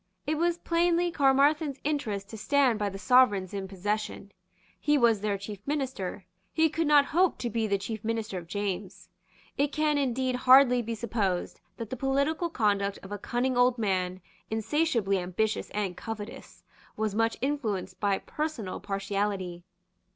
It was plainly Caermarthen's interest to stand by the sovereigns in possession. He was their chief minister. He could not hope to be the chief minister of James. It can indeed hardly be supposed that the political conduct of a cunning old man, insatiably ambitious and covetous, was much influenced by personal partiality.